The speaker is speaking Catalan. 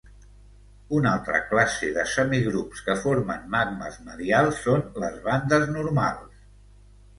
Una altra classe de semigrups que formen magmes medials són les bandes normals.